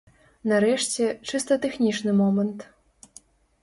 Нарэшце, чыста тэхнічны момант.